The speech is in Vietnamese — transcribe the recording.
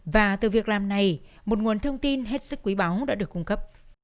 và từ việc làm này một nguồn thông tin hết sức quý báu đã được cung cấp